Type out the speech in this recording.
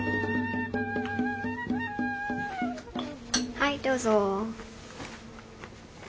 はいどうぞ。